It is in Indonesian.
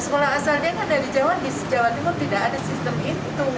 sekolah asalnya kan dari jawa di jawa timur tidak ada sistem itu